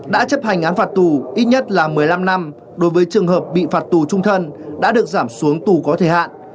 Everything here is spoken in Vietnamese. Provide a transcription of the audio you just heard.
đã chấp hành án phạt tù ít nhất là một mươi năm năm đối với trường hợp bị phạt tù trung thân đã được giảm xuống tù có thời hạn